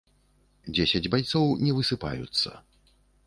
Дзесяць байцоў не высыпаюцца.